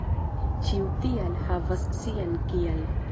Ĉiu "tial" havas sian "kial."